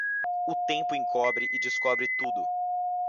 O tempo encobre e descobre tudo.